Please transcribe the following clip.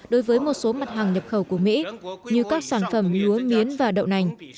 đối với một số mặt hàng nhập khẩu của mỹ như các sản phẩm lúa miến và đậu nành